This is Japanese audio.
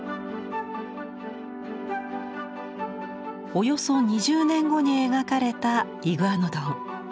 およそ２０年後に描かれたイグアノドン。